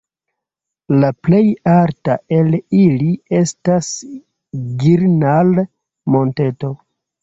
La plej alta el ili estas Girnar-Monteto.